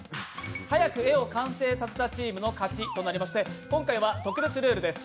早く絵を完成させたチームの勝ちとなりまして今回は特別ルールです。